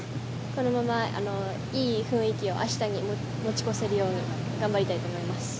このままいい雰囲気を明日へ持ち越せるように頑張りたいと思います。